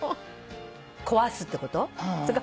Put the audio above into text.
壊すってこと？